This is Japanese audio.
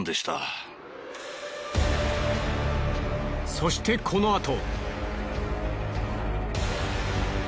そしてこのあと。